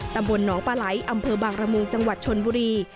ตำบลหนองปลาไหลอำเภอบางระมุงจังหวัดชนบุรี